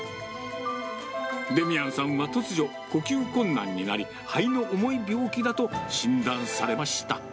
デミアンさんは突如、呼吸困難になり、肺の重い病気だと診断されました。